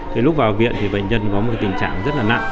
thì lúc vào viện thì bệnh nhân có một tình trạng rất là nặng